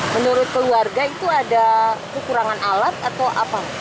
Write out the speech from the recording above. menurut keluarga itu ada kekurangan alat atau apa